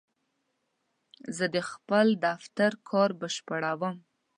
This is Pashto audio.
زه د خپل دفتر کار بشپړوم.